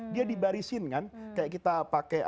dia dibarisin kan kayak kita pakai